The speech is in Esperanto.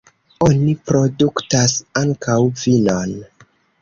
Oni produktas ankaŭ vinon.